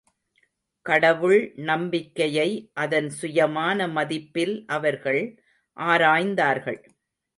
கடவுள் நம்பிக்கையை அதன் சுயமான மதிப்பில் அவர்கள் ஆராய்ந்தார்கள்.